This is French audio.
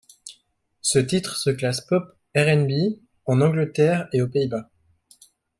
Ce titre se classe pop, R&B, en Angleterre et aux Pays-Bas.